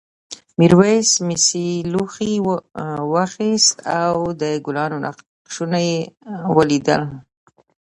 میرويس مسي لوښی واخیست او د ګلانو نقشونه ولیدل.